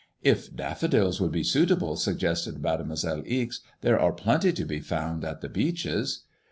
''If daffodils would be suit able/' suggested Mademoiselle Ixe, there are plenty to be found at the Beeches."